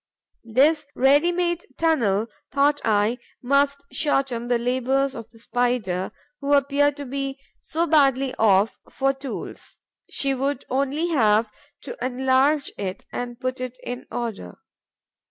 This ready made tunnel, thought I, must shorten the labours of the Spider, who appears to be so badly off for tools; she would only have to enlarge it and put it in order.